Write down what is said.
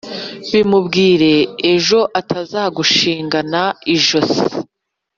Bimubwire ejo atazagushingana ijosi.